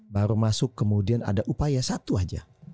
baru masuk kemudian ada upaya satu aja